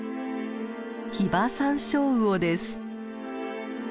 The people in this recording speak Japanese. ヒバサンショウウオです。